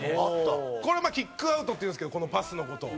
キックアウトっていうんですけどこのパスの事を。